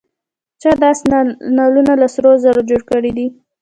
چا د آس نعلونه له سرو زرو جوړ کړي دي.